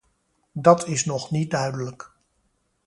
Dat is nog niet duidelijk.